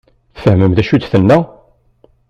Tfehmem d acu i d-tenna?